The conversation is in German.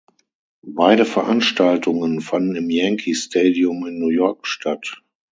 Beide Veranstaltungen fanden im Yankee Stadium in New York statt.